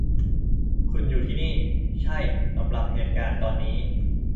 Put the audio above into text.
คุณอยู่ที่นี่ ใช่-สำหรับเหตุการณ์ตอนนี้